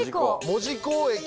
門司港駅。